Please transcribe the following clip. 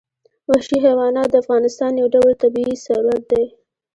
وحشي حیوانات د افغانستان یو ډول طبعي ثروت دی.